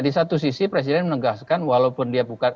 di satu sisi presiden menegaskan walaupun dia kader pdi perjuangan